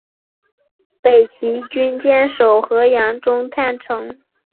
北齐军坚守河阳中潭城。